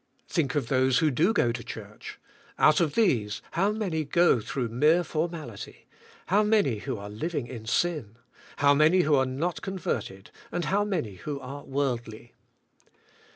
Think of those who do go to church. Out of these how many go through mere formality; how many who are living in sin; how many who are not con verted, and how many who are worldly.